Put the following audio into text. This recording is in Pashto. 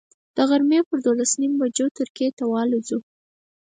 د غرمې پر دولس نیمو بجو ترکیې ته والوځو.